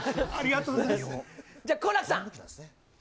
じゃあ、好楽さん。